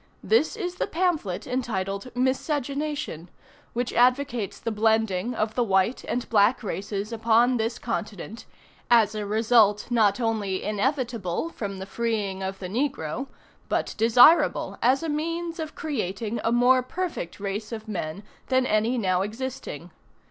This is the pamphlet entitled "Miscegenation," which advocates the blending of the white and black races upon this continent, as a result not only inevitable from the freeing of the negro, but desirable as a means of creating a more perfect race of men than any now existing.